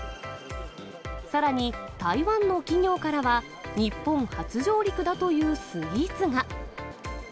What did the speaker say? さらに台湾の企業からは、日本初上陸だというスイーツが。